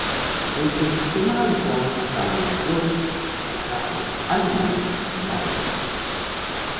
Entre su temas habituales están las flores, paisajes, animales y árboles.